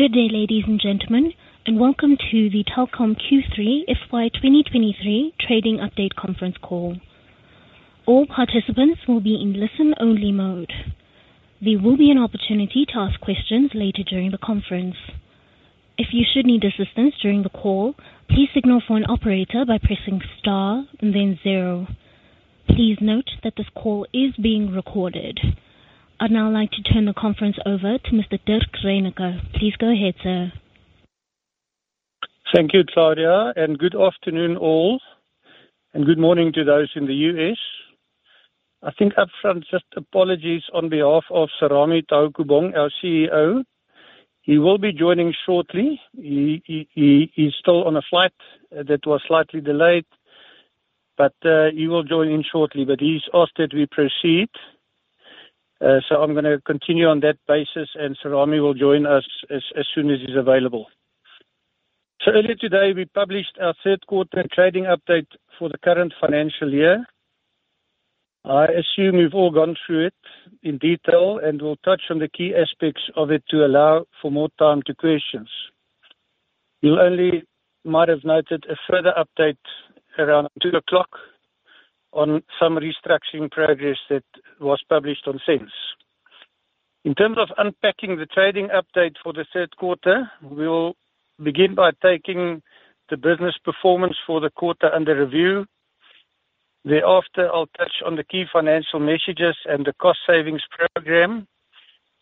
Good day, ladies and gentlemen, welcome to the Telkom Q3 FY 2023 trading update Conference Call. All participants will be in listen-only mode. There will be an opportunity to ask questions later during the conference. If you should need assistance during the call, please signal for an operator by pressing star and then zero. Please note that this call is being recorded. I'd now like to turn the conference over to Mr. Dirk Reyneke. Please go ahead, sir. Thank you, Claudia. Good afternoon all. Good morning to those in the U.S. I think up front, just apologies on behalf of Serame Taukobong, our CEO. He will be joining shortly. He is still on a flight that was slightly delayed, but he will join in shortly. He's asked that we proceed, so I'm gonna continue on that basis, and Serame will join us as soon as he's available. Earlier today, we published our third quarter trading update for the current financial year. I assume you've all gone through it in detail, and we'll touch on the key aspects of it to allow for more time to questions. You only might have noted a further update around 2:00 on some restructuring progress that was published on SENS. In terms of unpacking the trading update for the third quarter, we'll begin by taking the business performance for the quarter under review. Thereafter, I'll touch on the key financial messages and the cost savings program,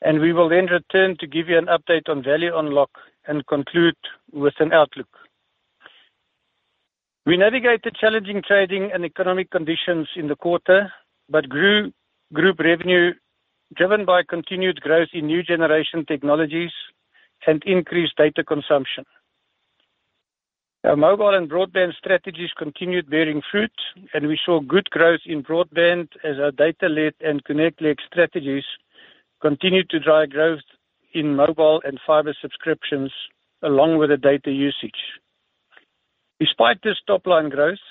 and we will then return to give you an update on value unlock and conclude with an outlook. We navigated challenging trading and economic conditions in the quarter, but grew group revenue driven by continued growth in new generation technologies and increased data consumption. Our mobile and broadband strategies continued bearing fruit, and we saw good growth in broadband as our data led and connect-led strategies continued to drive growth in mobile and fiber subscriptions along with the data usage. Despite this top-line growth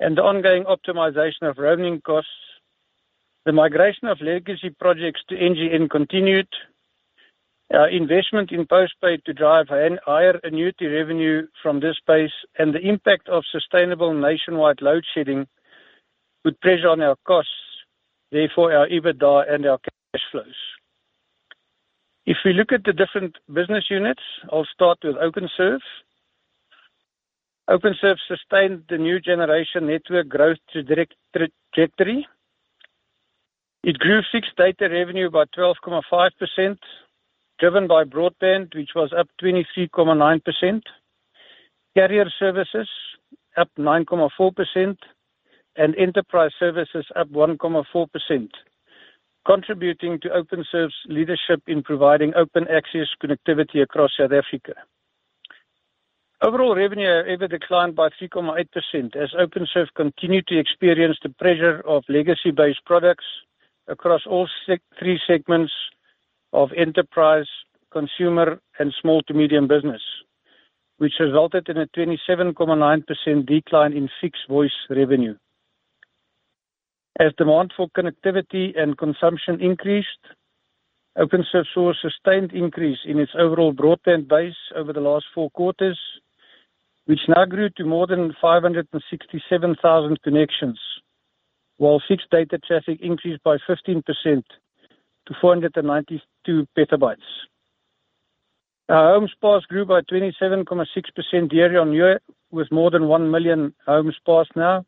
and the ongoing optimization of roaming costs, the migration of legacy projects to NGN continued our investment in postpaid to drive an higher annuity revenue from this space, and the impact of sustainable nationwide load shedding put pressure on our costs, therefore our EBITDA and our cash flows. If we look at the different business units, I'll start with Openserve. Openserve sustained the new generation network growth to direct trajectory. It grew fixed data revenue by 12.5%, driven by broadband, which was up 23.9%, carrier services up 9.4%, and enterprise services up 1.4%, contributing to Openserve's leadership in providing open access connectivity across South Africa. Overall revenue have either declined by 3.8% as Openserve continued to experience the pressure of legacy-based products across all three segments of enterprise, consumer and small to medium business. Which resulted in a 27.9% decline in fixed voice revenue. As demand for connectivity and consumption increased, Openserve saw a sustained increase in its overall broadband base over the last four quarters, which now grew to more than 567,000 connections, while fixed data traffic increased by 15% to 492 petabytes. Our homes passed grew by 27.6% year-on-year, with more than 1 million homes passed now.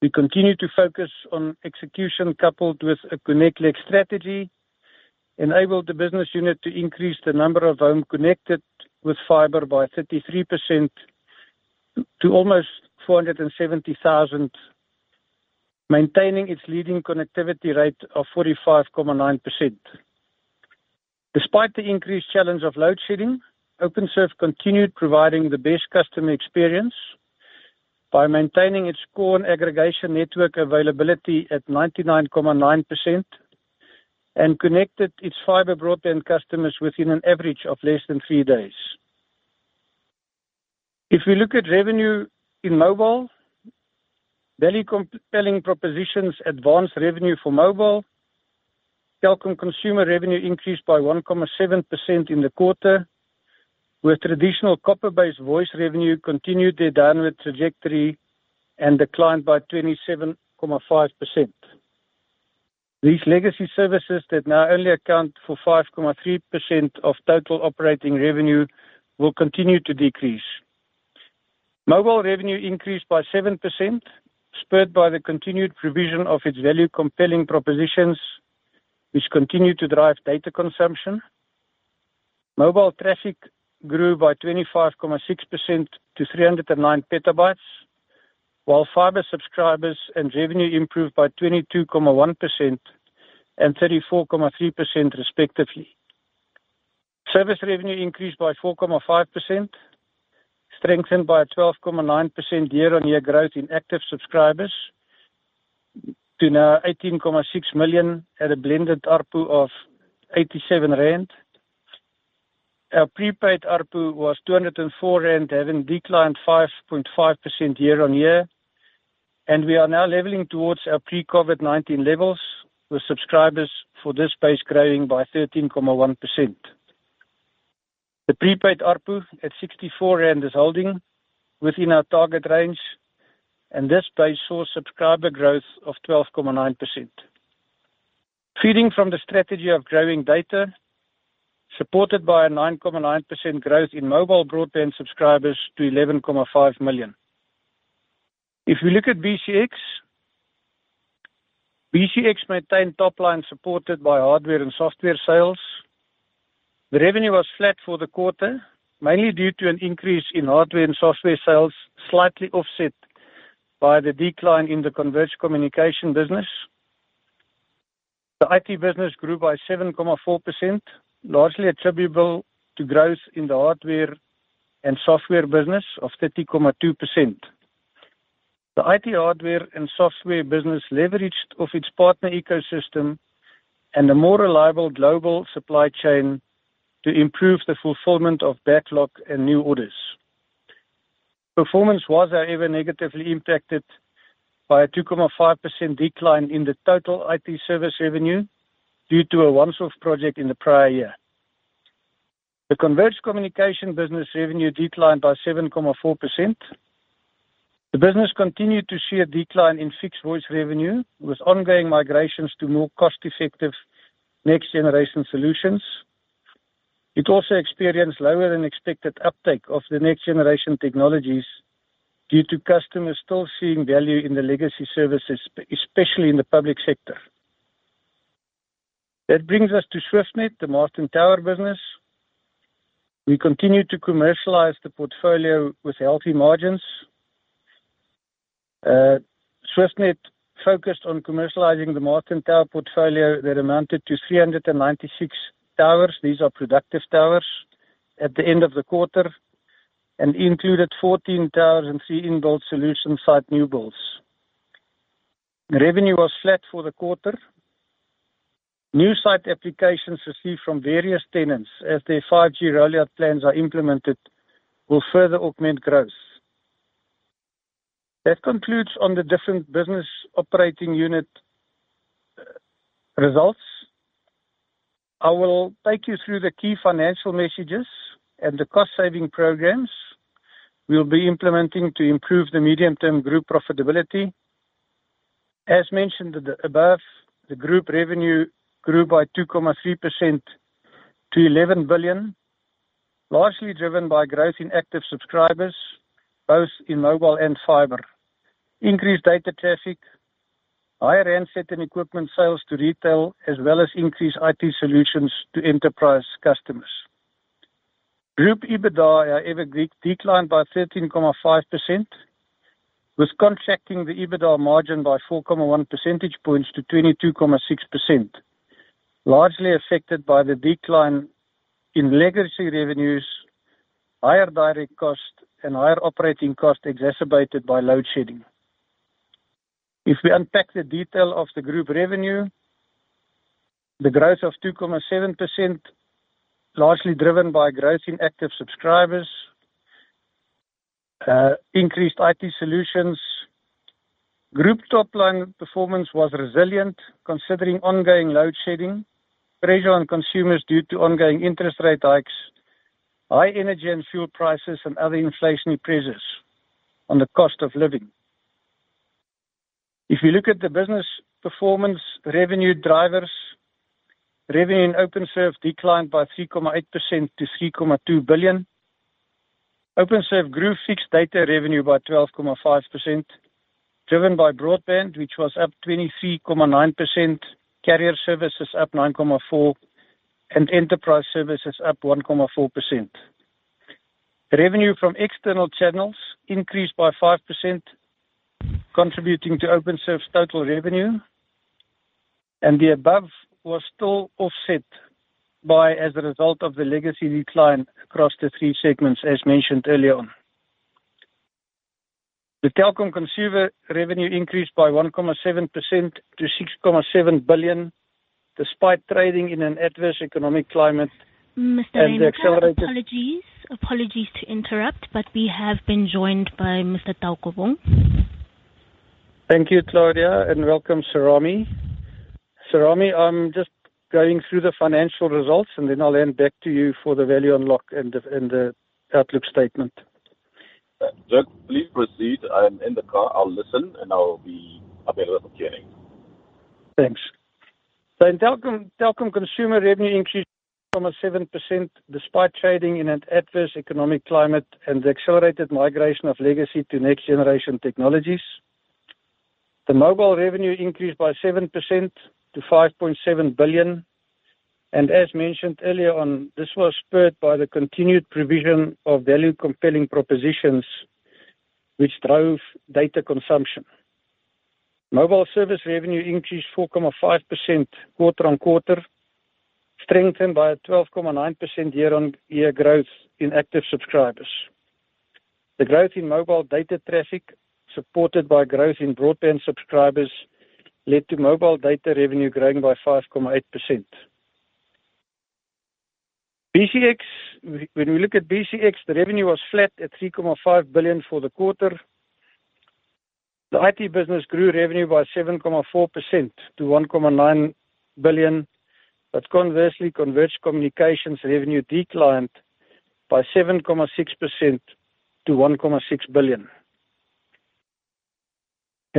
We continue to focus on execution coupled with a connect-led strategy, enabled the business unit to increase the number of home connected with fiber by 33% to almost 470,000, maintaining its leading connectivity rate of 45.9%. Despite the increased challenge of load shedding, Openserve continued providing the best customer experience by maintaining its core and aggregation network availability at 99.9% and connected its fiber broadband customers within an average of less than three days. If we look at revenue in mobile, value compelling propositions advanced revenue for mobile. Telkom Consumer revenue increased by 1.7% in the quarter, with traditional copper-based voice revenue continued their downward trajectory and declined by 27.5%. These legacy services that now only account for 5.3% of total operating revenue will continue to decrease. Mobile revenue increased by 7%, spurred by the continued provision of its value compelling propositions, which continued to drive data consumption. Mobile traffic grew by 25.6% to 309 Pb, while fiber subscribers and revenue improved by 22.1% and 34.3% respectively. Service revenue increased by 4.5%, strengthened by a 12.9% year-on-year growth in active subscribers to now 18.6 million at a blended ARPU of 87 rand. Our prepaid ARPU was 204 rand, having declined 5.5% year-on-year. We are now leveling towards our pre-COVID-19 levels, with subscribers for this base growing by 13.1%. The prepaid ARPU at 64 rand is holding within our target range, and this base saw subscriber growth of 12.9%. Feeding from the strategy of growing data, supported by a 9.9% growth in mobile broadband subscribers to 11.5 million. If you look at BCX maintained top line supported by hardware and software sales. The revenue was flat for the quarter, mainly due to an increase in hardware and software sales, slightly offset by the decline in the converged communication business. The IT business grew by 7.4%, largely attributable to growth in the hardware and software business of 30.2%. The IT hardware and software business leveraged off its partner ecosystem and a more reliable global supply chain to improve the fulfillment of backlog and new orders. Performance was, however, negatively impacted by a 2.5% decline in the total IT service revenue due to a once-off project in the prior year. The converged communication business revenue declined by 7.4%. The business continued to see a decline in fixed voice revenue, with ongoing migrations to more cost-effective next-generation solutions. It also experienced lower-than-expected uptake of the next-generation technologies due to customers still seeing value in the legacy services, especially in the public sector. This brings us to SwiftNet, the MTN tower business. We continue to commercialize the portfolio with healthy margins. SwiftNet focused on commercializing the MTN tower portfolio that amounted to 396 towers. These are productive towers at the end of the quarter and included 14 towers and three in-built solution site new builds. Revenue was flat for the quarter. New site applications received from various tenants as their 5G rollout plans are implemented will further augment growth. This concludes on the different business operating unit results. I will take you through the key financial messages and the cost-saving programs we'll be implementing to improve the medium-term group profitability. As mentioned above, the group revenue grew by 2.3% to 11 billion, largely driven by growth in active subscribers, both in mobile and fiber, increased data traffic, higher handset and equipment sales to retail, as well as increased IT solutions to enterprise customers. Group EBITDA, however, declined by 13.5%, with contracting the EBITDA margin by 4.1 percentage points to 22.6%, largely affected by the decline in legacy revenues, higher direct costs, and higher operating costs exacerbated by load shedding. If we unpack the detail of the group revenue, the growth of 2.7%, largely driven by growth in active subscribers, increased IT solutions. Group top-line performance was resilient, considering ongoing load shedding, pressure on consumers due to ongoing interest rate hikes, high energy and fuel prices, and other inflationary pressures on the cost of living. You look at the business performance revenue drivers, revenue in Openserve declined by 3.8% to 3.2 billion. Openserve grew fixed data revenue by 12.5%, driven by broadband, which was up 23.9%, carrier services up 9.4%, and enterprise services up 1.4%. Revenue from external channels increased by 5%, contributing to Openserve's total revenue, the above was still offset by as a result of the legacy decline across the three segments, as mentioned earlier on. Telkom Consumer revenue increased by 1.7% to 6.7 billion despite trading in an adverse economic climate. Mr. Mountain, apologies. Apologies to interrupt, but we have been joined by Mr. Taukobong. Thank you, Claudia. Welcome, Serame. Serame, I'm just going through the financial results, and then I'll hand back to you for the value unlock and the outlook statement. Look, please proceed. I am in the car. I'll listen. I'll be available for Q&A. Thanks. Telkom Consumer revenue increased 7.7% despite trading in an adverse economic climate and the accelerated migration of legacy to next-generation technologies. The mobile revenue increased by 7% to 5.7 billion. As mentioned earlier on, this was spurred by the continued provision of value-compelling propositions, which drove data consumption. Mobile service revenue increased 4.5% quarter-on-quarter, strengthened by a 12.9% year-on-year growth in active subscribers. The growth in mobile data traffic, supported by growth in broadband subscribers, led to mobile data revenue growing by 5.8%. BCX, when we look at BCX, the revenue was flat at 3.5 billion for the quarter. The IT business grew revenue by 7.4% to 1.9 billion, conversely, converged communications revenue declined by 7.6% to 1.6 billion.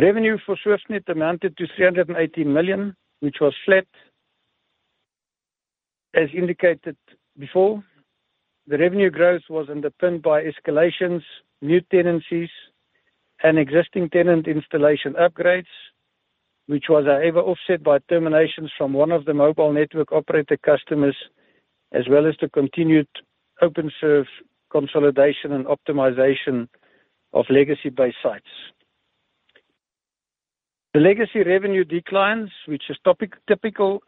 Revenue for Swiftnet amounted to 380 million, which was flat. As indicated before, the revenue growth was underpinned by escalations, new tenancies and existing tenant installation upgrades, which was however offset by terminations from one of the mobile network operator customers, as well as the continued Openserve consolidation and optimization of legacy-based sites. The legacy revenue declines, which is topical,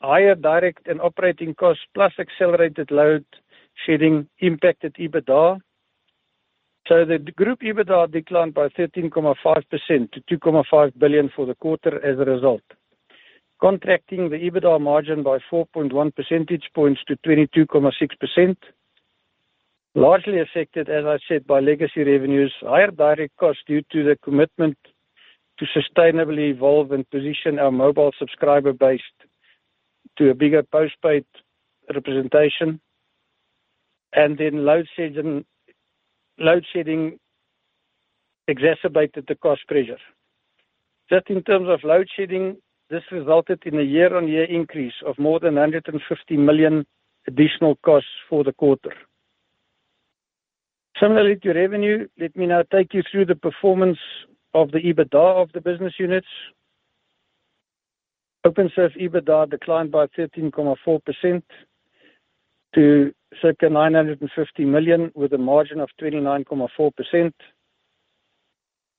higher direct and operating costs plus accelerated load shedding impacted EBITDA. The group EBITDA declined by 13.5% to 2.5 billion for the quarter as a result, contracting the EBITDA margin by 4.1 percentage points to 22.6%. Largely affected, as I said, by legacy revenues, higher direct costs due to the commitment to sustainably evolve and position our mobile subscriber base to a bigger postpaid representation. Load shedding exacerbated the cost pressure. Just in terms of load shedding, this resulted in a year-on-year increase of more than 150 million additional costs for the quarter. Similarly to revenue, let me now take you through the performance of the EBITDA of the business units. Openserve's EBITDA declined by 13.4% to circa 950 million, with a margin of 29.4%.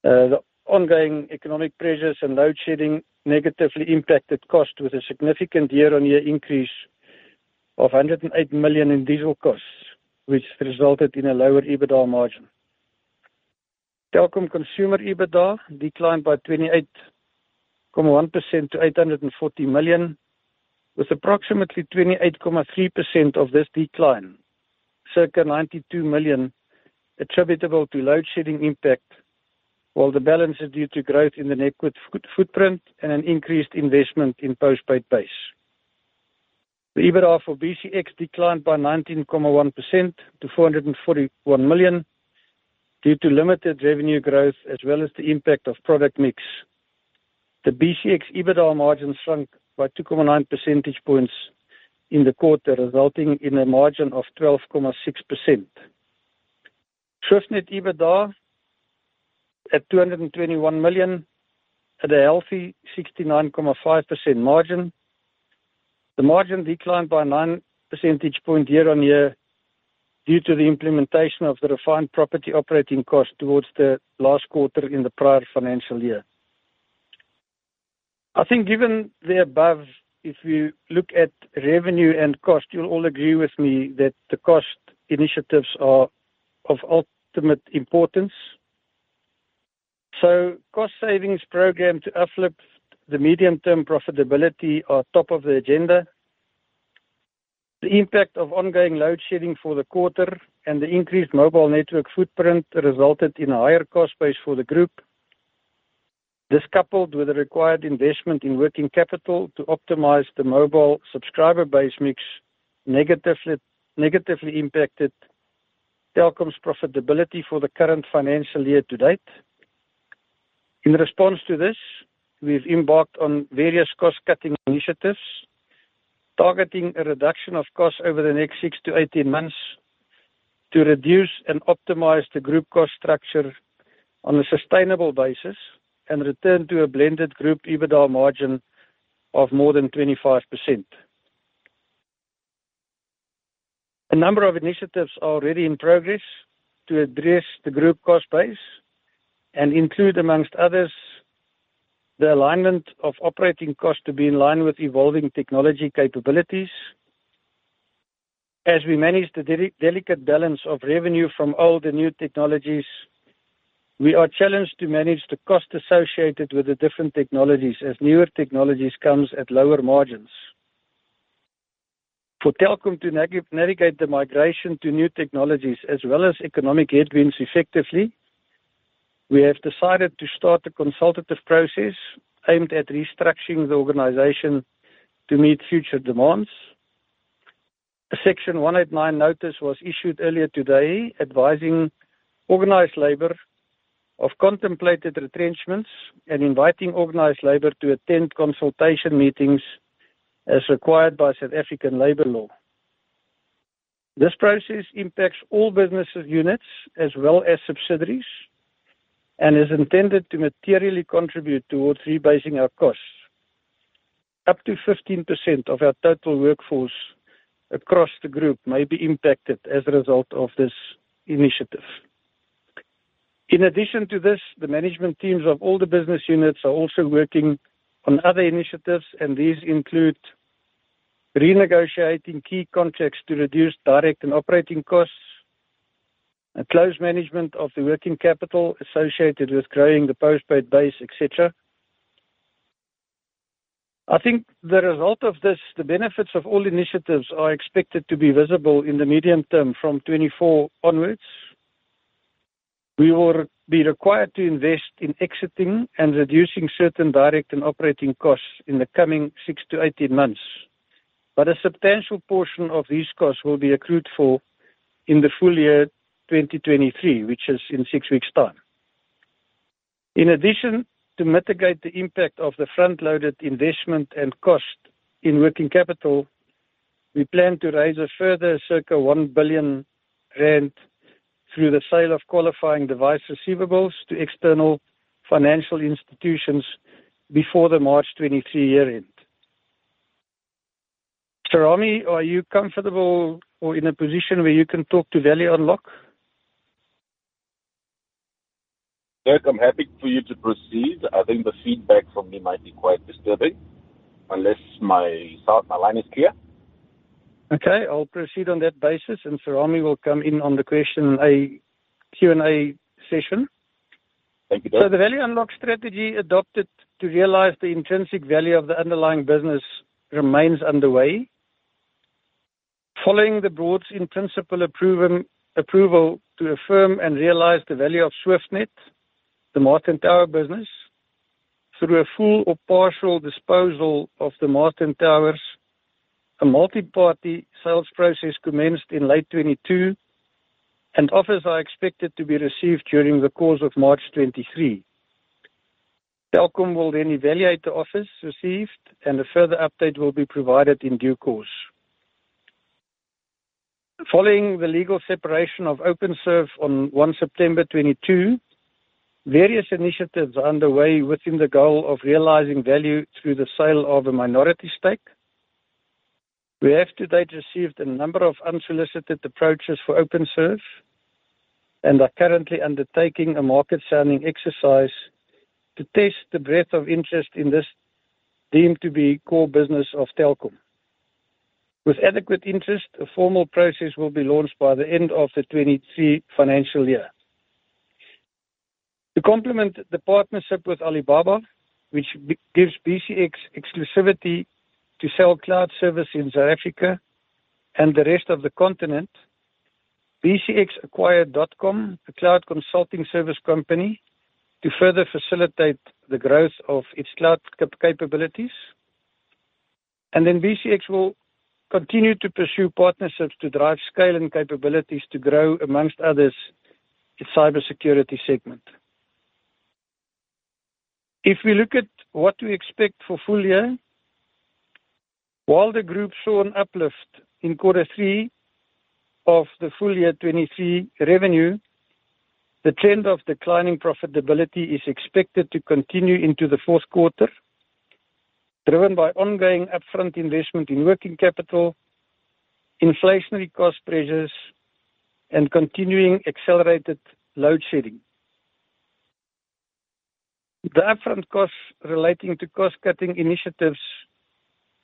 The ongoing economic pressures and load shedding negatively impacted cost with a significant year-on-year increase of 108 million in diesel costs, which resulted in a lower EBITDA margin. Telkom Consumer EBITDA declined by 28.1% to ZAR 840 million, with approximately 28.3% of this decline, circa 92 million attributable to load shedding impact, while the balance is due to growth in the network footprint and an increased investment in postpaid base. The EBITDA for BCX declined by 19.1% to 441 million due to limited revenue growth, as well as the impact of product mix. The BCX EBITDA margin shrunk by 2.9 percentage points in the quarter, resulting in a margin of 12.6%. Swiftnet EBITDA at 221 million at a healthy 69.5% margin. The margin declined by 9 percentage point year-on-year due to the implementation of the refined property operating cost towards the last quarter in the prior financial year. I think given the above, if we look at revenue and cost, you'll all agree with me that the cost initiatives are of ultimate importance. Cost savings program to uplift the medium-term profitability are top of the agenda. The impact of ongoing load shedding for the quarter and the increased mobile network footprint resulted in a higher cost base for the group. This coupled with the required investment in working capital to optimize the mobile subscriber base mix negatively impacted Telkom's profitability for the current financial year to date. In response to this, we've embarked on various cost-cutting initiatives targeting a reduction of costs over the next 6-18 months to reduce and optimize the group cost structure on a sustainable basis and return to a blended group EBITDA margin of more than 25%. A number of initiatives are already in progress to address the group cost base and include, amongst others, the alignment of operating costs to be in line with evolving technology capabilities. As we manage the delicate balance of revenue from old and new technologies, we are challenged to manage the cost associated with the different technologies as newer technologies comes at lower margins. For Telkom to navigate the migration to new technologies as well as economic headwinds effectively, we have decided to start a consultative process aimed at restructuring the organization to meet future demands. A Section 189 notice was issued earlier today advising organized labor of contemplated retrenchments and inviting organized labor to attend consultation meetings as required by South African labor law. This process impacts all businesses units as well as subsidiaries, and is intended to materially contribute towards rebasing our costs. Up to 15% of our total workforce across the group may be impacted as a result of this initiative. In addition to this, the management teams of all the business units are also working on other initiatives. These include renegotiating key contracts to reduce direct and operating costs. A close management of the working capital associated with growing the postpaid base, et cetera. I think the result of this, the benefits of all initiatives are expected to be visible in the medium term from 2024 onwards. We will be required to invest in exiting and reducing certain direct and operating costs in the coming 6-18 months. A substantial portion of these costs will be accrued for in the full year 2023, which is in 6 weeks' time. To mitigate the impact of the front-loaded investment and cost in working capital, we plan to raise a further circa 1 billion rand through the sale of qualifying device receivables to external financial institutions before the March 2023 year end. Serami, are you comfortable or in a position where you can talk to value unlock? Dirk, I'm happy for you to proceed. I think the feedback from me might be quite disturbing unless my sound, my line is clear. Okay, I'll proceed on that basis, and Sir Serami will come in on the question A, Q&A session. Thank you, Dirk. The value unlock strategy adopted to realize the intrinsic value of the underlying business remains underway. Following the board's in principle approval to affirm and realize the value of Swiftnet, the mast and tower business, through a full or partial disposal of the mast and towers, a multi-party sales process commenced in late 2022, and offers are expected to be received during the course of March 2023. Telkom will then evaluate the offers received, and a further update will be provided in due course. Following the legal separation of Openserve on 1st September 2022, various initiatives are underway within the goal of realizing value through the sale of a minority stake. We have to date received a number of unsolicited approaches for Openserve and are currently undertaking a market-sounding exercise to test the breadth of interest in this deemed to be core business of Telkom. With adequate interest, a formal process will be launched by the end of the 2023 financial year. To complement the partnership with Alibaba, which gives BCX exclusivity to sell cloud service in South Africa and the rest of the continent, BCX acquired DotCom, a cloud consulting service company, to further facilitate the growth of its cloud capabilities. BCX will continue to pursue partnerships to drive scale and capabilities to grow amongst others, its cybersecurity segment. If we look at what we expect for full year, while the group saw an uplift in quarter three of the full year 2023 revenue, the trend of declining profitability is expected to continue into the fourth quarter, driven by ongoing upfront investment in working capital, inflationary cost pressures, and continuing accelerated load shedding. The upfront costs relating to cost-cutting initiatives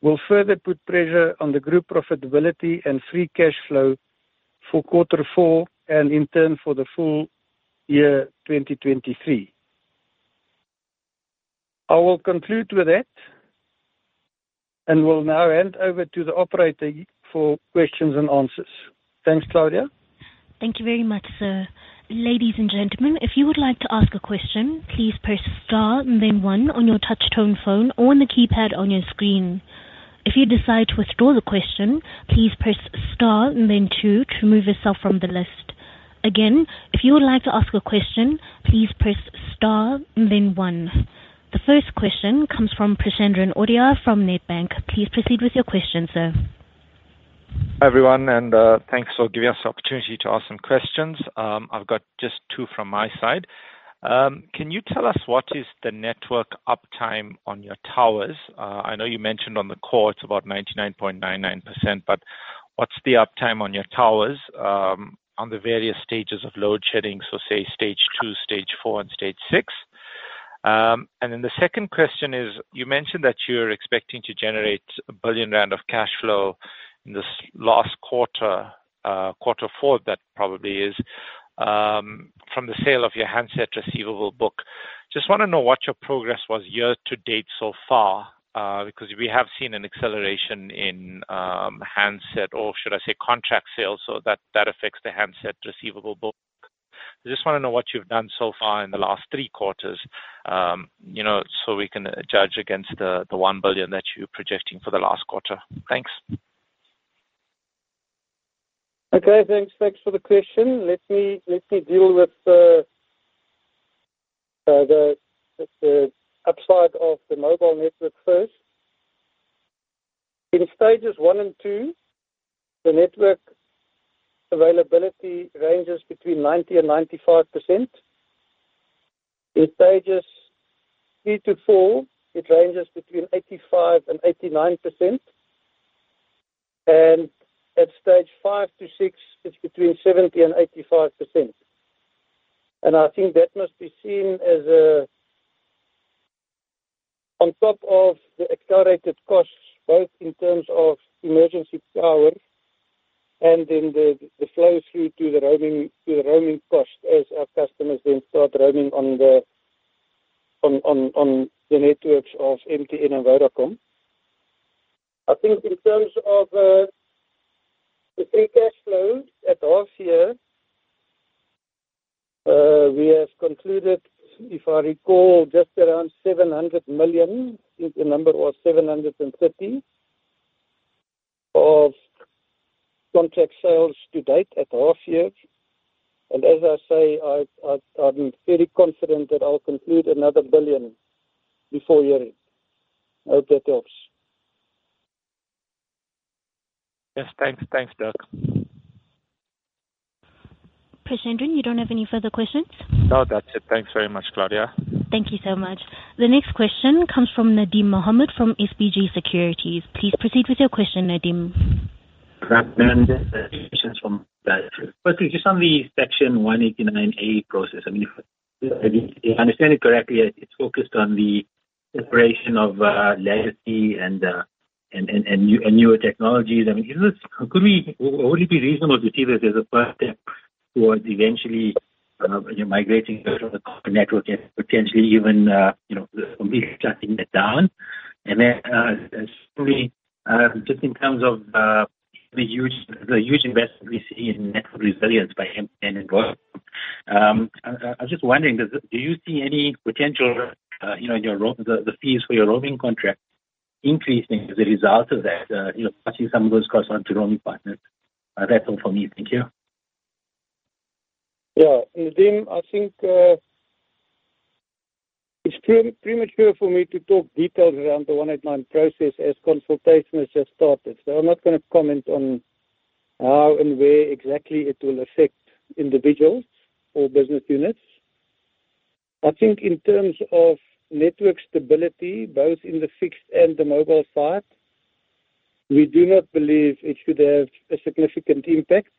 will further put pressure on the group profitability and free cash flow for quarter four and in turn for the full year 2023. I will conclude with that and will now hand over to the operator for questions and answers. Thanks, Claudia. Thank you very much, sir. Ladies and gentlemen, if you would like to ask a question, please press star and then one on your touch tone phone or on the keypad on your screen. If you decide to withdraw the question, please press star and then two to remove yourself from the list. Again, if you would like to ask a question, please press star and then one. The first question comes from Prashandran Odiah from Nedbank. Please proceed with your question, sir. Everyone, thanks for giving us the opportunity to ask some questions. I've got just two from my side. Can you tell us what is the network uptime on your towers? I know you mentioned on the core it's about 99.99%, but what's the uptime on your towers on the various stages of load shedding, so say stage two stage four and stage six? The second question is, you mentioned that you're expecting to generate 1 billion rand of cash flow in this last quarter four that probably is from the sale of your handset receivable book. Just wanna know what your progress was year-to-date so far, because we have seen an acceleration in handset or should I say contract sales so that affects the handset receivable book. I just wanna know what you've done so far in the last three quarters, you know, so we can judge against the 1 billion that you're projecting for the last quarter. Thanks. Okay, thanks. Thanks for the question. Let me deal with the upside of the mobile network first. In stages one and two, the network availability ranges between 90% and 95%. In stages three to four, it ranges between 85% and 89%. At stage five to six, it's between 70% and 85%. I think that must be seen on top of the accelerated costs, both in terms of emergency power, and then the flow through to the roaming cost as our customers then start roaming on the networks of MTN and Vodacom. I think in terms of, the free cash flow at half year, we have concluded, if I recall, just around 700 million, I think the number was 750, of contract sales to date at half year. As I say, I, I'm very confident that I'll conclude another 1 billion before year-end. I hope that helps. Yes. Thanks. Thanks, Dirk. Prashandran, you don't have any further questions? No, that's it. Thanks very much, Claudia. Thank you so much. The next question comes from Nadeem Mohamed from SBG Securities. Please proceed with your question, Nadeem. From Just on the Section 189A process. I mean, if I understand it correctly, it's focused on the separation of legacy and newer technologies. I mean, would it be reasonable to see this as a first step towards eventually, you know, migrating network and potentially even, you know, completely shutting that down? Secondly, just in terms of the huge investment we see in network resilience by MTN and Vodacom, I was just wondering, do you see any potential, you know, in the fees for your roaming contract increasing as a result of that, you know, passing some of those costs on to roaming partners? That's all from me. Thank you. Nadeem, I think it's premature for me to talk details around the Section 189 process as consultation has just started. I'm not going to comment on how and where exactly it will affect individuals or business units. I think in terms of network stability, both in the fixed and the mobile side, we do not believe it should have a significant impact.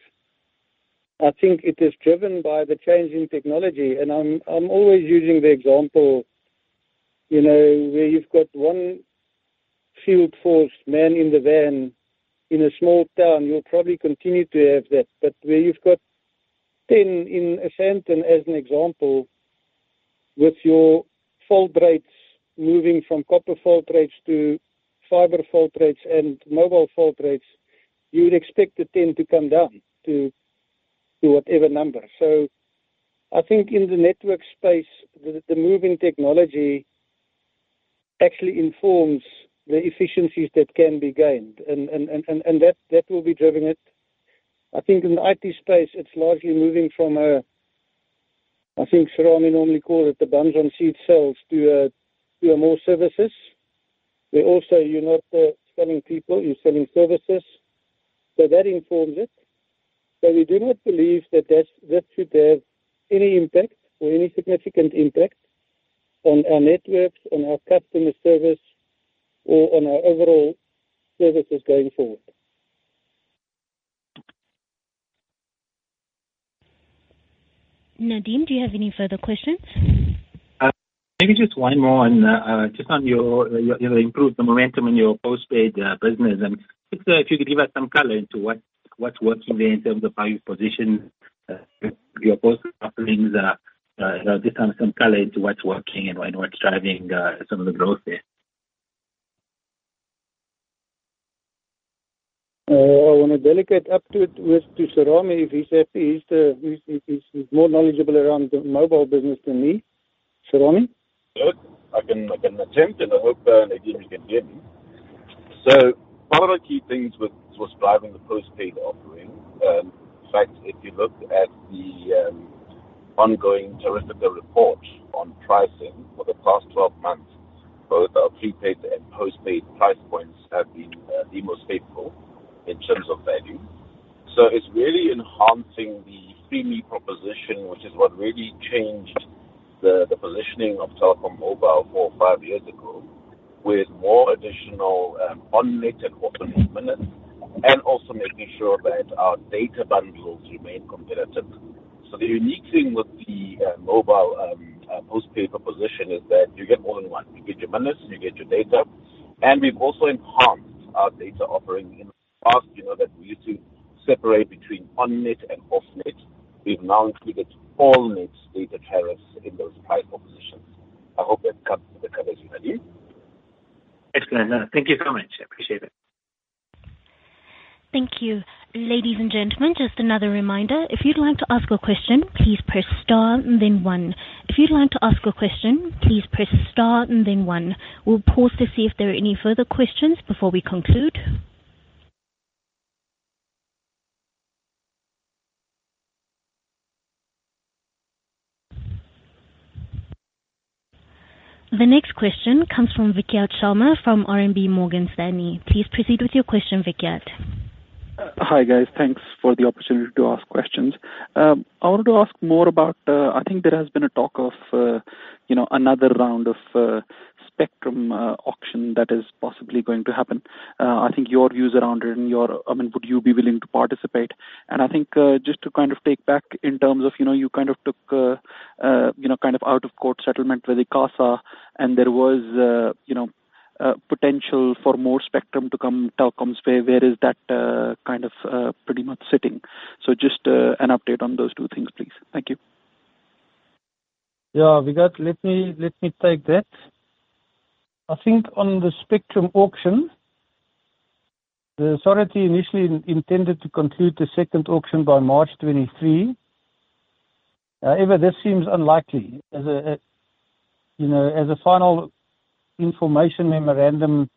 I think it is driven by the change in technology, and I'm always using the example, you know, where you've got 1 field force man in the van in a small town, you'll probably continue to have that. Where you've got 10 in a Sandton, as an example, with your fault rates moving from copper fault rates to fiber fault rates and mobile fault rates, you would expect the 10 to come down to whatever number. I think in the network space, the moving technology actually informs the efficiencies that can be gained. That will be driving it. I think in the IT space, it's largely moving from a, I think Serame normally call it the bums on seats sales to more services, where also you're not selling people, you're selling services. That informs it. We do not believe that that's, that should have any impact or any significant impact on our networks, on our customer service or on our overall services going forward. Nadeem, do you have any further questions? Maybe just one more on, just on your, you know, improved momentum in your postpaid business. If you could give us some color into what's working there in terms of how you position your post offerings. Just on some color into what's working and what's driving some of the growth there. I wanna delegate up to, with, to Serame, if he's happy. He's more knowledgeable around the mobile business than me. Serame? Sure. I can attempt, and I hope, Nadeem, you can hear me. One of the key things with what's driving the postpaid offering, in fact, if you look at the ongoing Tarifica report on pricing for the past 12 months, both our prepaid and postpaid price points have been the most favorable in terms of value. It's really enhancing the FreeMe proposition, which is what really changed the positioning of Telkom Mobile four or five years ago, with more additional on-net and off-net minutes, and also making sure that our data bundles remain competitive. The unique thing with the mobile postpaid proposition is that you get more in one. You get your minutes, you get your data, and we've also enhanced our data offering. In the past, you know, that we used to separate between on-net and off-net. We've now included all nets data tariffs in those price propositions. I hope that covers the question, Nadeem. Excellent. Thank you very much. I appreciate it. Thank you. Ladies and gentlemen, just another reminder. If you'd like to ask a question, please press star and then one. If you'd like to ask a question, please press star and then one. We'll pause to see if there are any further questions before we conclude. The next question comes from Vikhyat Sharma from RMB Morgan Stanley. Please proceed with your question, Vikhyat. Hi, guys. Thanks for the opportunity to ask questions. I wanted to ask more about. I think there has been a talk of, you know, another round of spectrum auction that is possibly going to happen. I think your views around it. I mean, would you be willing to participate? I think, just to kind of take back in terms of, you know, you kind of took, you know, kind of out of court settlement with ICASA, and there was, you know, potential for more spectrum to come Telkom's way. Where is that, kind of, pretty much sitting? Just, an update on those two things, please. Thank you. Yeah. Let me take that. I think on the spectrum auction, the authority initially intended to conclude the second auction by March 2023. However, this seems unlikely as, you know, a final information memorandum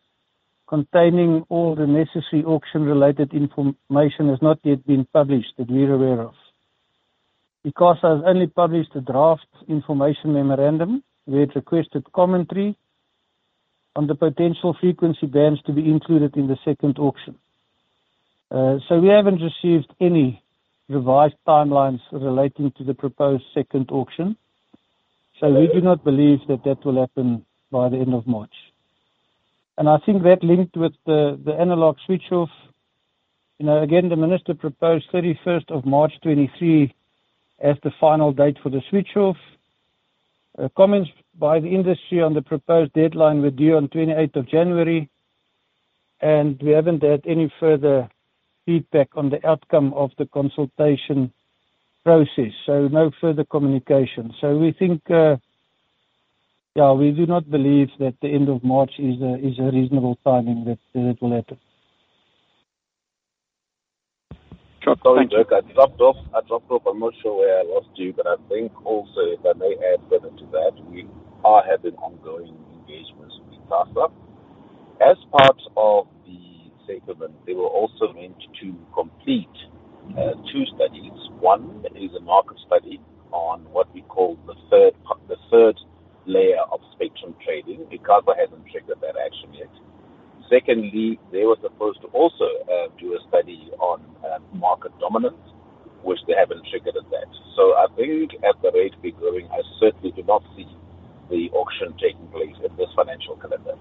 containing all the necessary auction-related information has not yet been published that we're aware of. I've only published a draft information memorandum, we had requested commentary on the potential frequency bands to be included in the second auction. We haven't received any revised timelines relating to the proposed second auction. We do not believe that that will happen by the end of March. I think that linked with the Analogue Switch-Off, you know, again, the minister proposed 31st of March 2023 as the final date for the switch off. Comments by the industry on the proposed deadline were due on 28th of January. We haven't heard any further feedback on the outcome of the consultation process. No further communication. We think, we do not believe that the end of March is a reasonable timing that it will happen. Sure. Thank you. Sorry, Dirk, I dropped off. I'm not sure where I lost you, but I think also, if I may add further to that, we are having ongoing engagements with ICASA. As part of the statement, they were also meant to complete, two studies. One that is a market study on what we call the third layer of spectrum trading because they haven't triggered that action yet. Secondly, they were supposed to also do a study on market dominance, which they haven't triggered at that. I think at the rate we're growing, I certainly do not see the auction taking place in this financial calendar.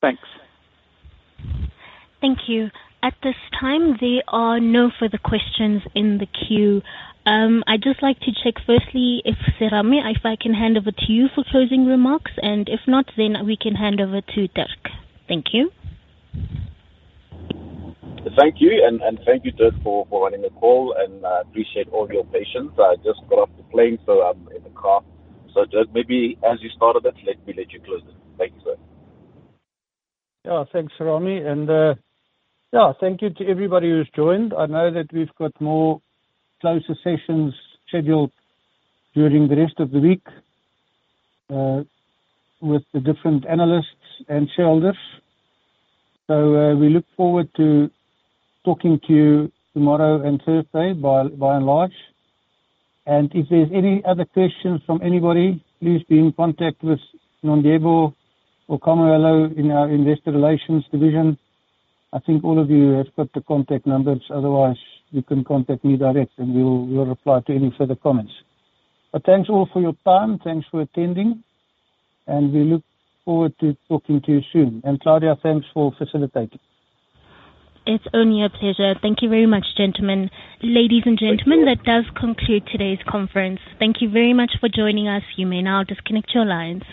Thanks. Thank you. At this time, there are no further questions in the queue. I'd just like to check firstly if Serame, if I can hand over to you for closing remarks. If not, then we can hand over to Dirk. Thank you. Thank you. Thank you, Dirk, for running the call, and appreciate all your patience. I just got off the plane, so I'm in the car. Dirk, maybe as you started it, let me let you close it. Thank you, sir. Yeah. Thanks, Serami. Thank you to everybody who's joined. I know that we've got more closer sessions scheduled during the rest of the week with the different analysts and shareholders. We look forward to talking to you tomorrow and Thursday, by and large. If there's any other questions from anybody, please be in contact with Nongabo or Kamelo in our investor relations division. I think all of you have got the contact numbers. Otherwise, you can contact me direct, and we'll reply to any further comments. Thanks all for your time. Thanks for attending, and we look forward to talking to you soon. Claudia, thanks for facilitating. It's only a pleasure. Thank you very much, gentlemen. Ladies and gentlemen, that does conclude today's conference. Thank you very much for joining us. You may now disconnect your lines.